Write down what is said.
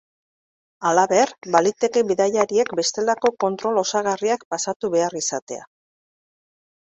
Halaber, baliteke bidaiariek bestelako kontrol osagarriak pasatu behar izatea.